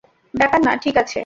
ব্যাপার না, ঠিক আছে।